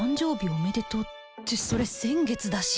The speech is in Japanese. おめでとうってそれ先月だし